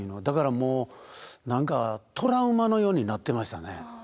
だからもう何かトラウマのようになってましたね。